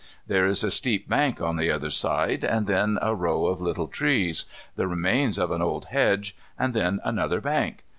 There is a steep bank on the other side and then a row of little trees, the remains of an old hedge, and then another bank.